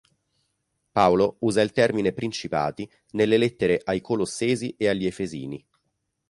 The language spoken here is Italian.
Paolo usa il termine "Principati" nelle lettere ai Colossesi e agli Efesini.